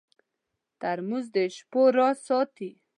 ترموز د شپو راز ساتي.